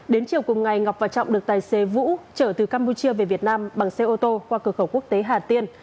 đến chiều cùng ngày ngọc và trọng được tài xế vũ chở từ campuchia về việt nam bằng xe ô tô qua cửa khẩu quốc tế hà tiên